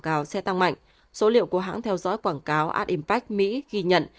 cáo sẽ tăng mạnh số liệu của hãng theo dõi quảng cáo ad impact mỹ ghi nhận